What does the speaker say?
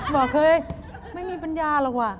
บอกเคยไม่มีปัญญาหรอกว่ะ